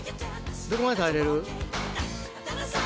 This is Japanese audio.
どこまで耐えれる？